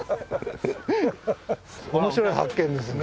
面白い発見ですね。